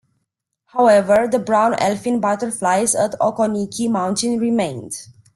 However, the brown elfin butterflies at Occoneechee Mountain remained.